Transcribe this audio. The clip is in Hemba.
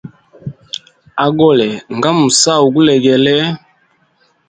Agole nga musahu gulegele.